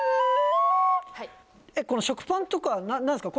この食パンとかは何ですか？